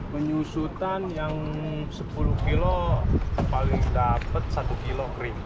penyusutan yang sepuluh kg paling dapat satu kg krim